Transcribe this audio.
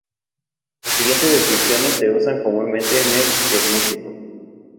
Las siguientes descripciones se usan comúnmente en el diagnóstico.